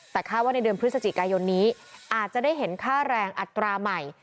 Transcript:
แต่คาดว่าในเดือนพฤศจิกายนนี้อาจจะได้เห็นค่าแรงอัตราใหม่